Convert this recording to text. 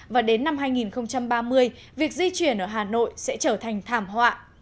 và đến năm hai nghìn ba mươi việc di chuyển ở hà nội sẽ trở thành thảm họa